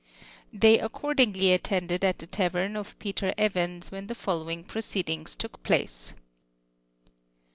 — Tliey accordingly attended at the tavern of Peter Evans, wlien the following proceedings took place.